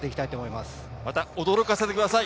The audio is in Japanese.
また驚かせてください。